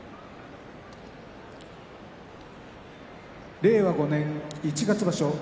令和５年一月場所